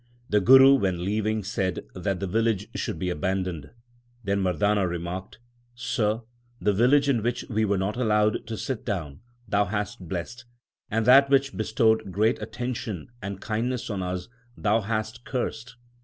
The Guru when leaving said that the village should be abandoned. Then Mardana re marked, Sir, the village in which we were not allowed to sit down, thou hast blessed ; and that which bestowed great attention and kindness on us thou hast cursed.